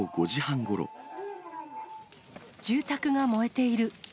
住宅が燃えている。